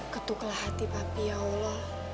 ketuklah hati papi ya allah